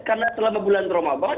karena selama bulan ramadan